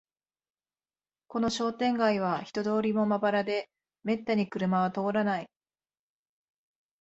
この商店街は人通りもまばらで、めったに車は通らない